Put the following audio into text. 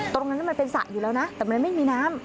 ตรงนั้นมันเป็นสระอยู่แล้วนะแต่มันไม่มีน้ำ